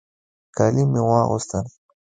کالي مې واغوستل.